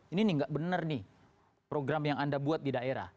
ini nih nggak benar nih program yang anda buat di daerah